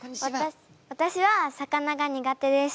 わたしは魚が苦手です。